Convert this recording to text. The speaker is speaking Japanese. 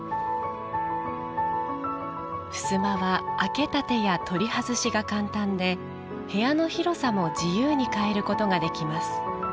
ふすまは、開けたてや取り外しが簡単で、部屋の広さも自由に変えることができます。